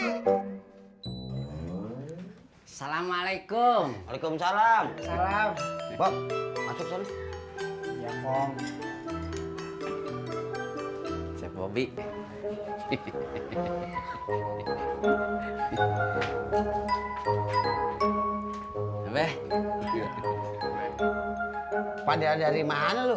assalamualaikum waalaikumsalam salam salam